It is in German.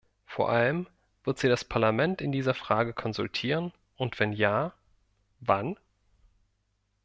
Vor allem wird sie das Parlament in dieser Frage konsultieren und wenn ja, wann?